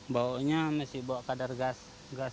bau nya masih berbohar gas air gas minyak